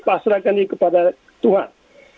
pasrahkan diri kepada tuhan